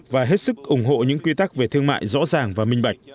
và hết sức ủng hộ những quy tắc về thương mại rõ ràng và minh bạch